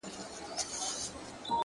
• نن داخبره درلېږمه تاته؛